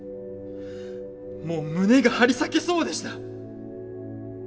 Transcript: もう胸が張り裂けそうでした！